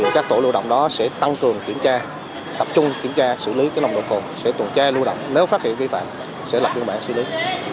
các tổ lưu động đó sẽ tăng cường kiểm tra tập trung kiểm tra xử lý nồng độ cồn sẽ tuần tra lưu động nếu phát hiện vi phạm sẽ lập biên bản xử lý